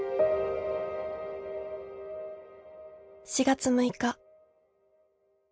「４月６日。